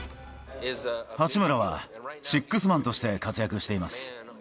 八村はシックスマンとして活躍しています。